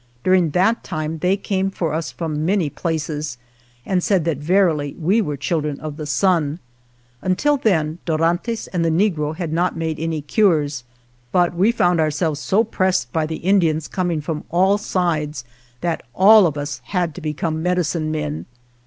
During that time they came for us from many places and said that verily we were children of the sun. Until then Dorantes and the negro had not made any cures, but we found ourselves so pressed by the Indians coming from all sides, that all of us had to become medicine men.